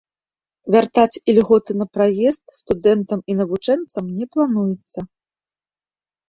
Вяртаць ільготы на праезд студэнтам і навучэнцам не плануецца.